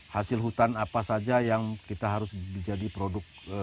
hasil hutan apa saja yang kita harus jadi produk